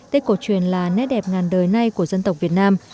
tết cổ truyền là nét đẹp ngàn đời nay của dân tộc việt nam